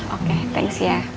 oke thanks ya